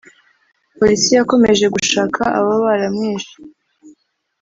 Polisi yakomeje gushaka ababa baramwishe